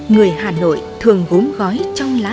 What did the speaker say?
người hà nội thường gốm gói trong lá cơm